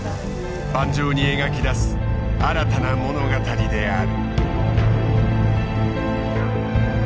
盤上に描き出す新たな物語である。